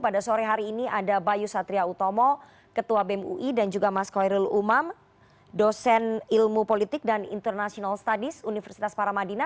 pada sore hari ini ada bayu satria utomo ketua bem ui dan juga mas khoirul umam dosen ilmu politik dan international studies universitas paramadina